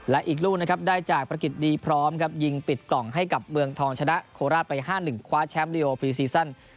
และอีกลูกนะครับได้จากประกิจดีพร้อมครับยิงปิดกล่องให้กับเมืองทองชนะโคราชไป๕๑คว้าแชมป์ลีโอฟรีซีซั่น